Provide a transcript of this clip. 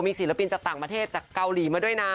ศิลปินจากต่างประเทศจากเกาหลีมาด้วยนะ